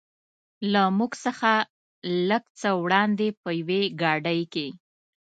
له موږ څخه لږ څه وړاندې په یوې ګاډۍ کې.